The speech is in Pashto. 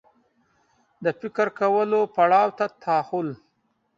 د فکر کولو پړاو ته تحول